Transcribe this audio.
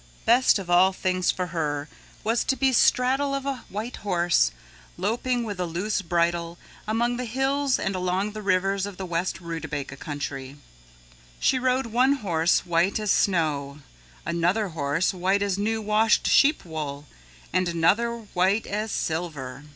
Best of all things for her was to be straddle of a white horse loping with a loose bridle among the hills and along the rivers of the west Rootabaga Country. She rode one horse white as snow, another horse white as new washed sheep wool, and another white as silver.